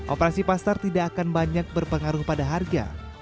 operasi pasar tidak akan banyak berpengaruh pada harga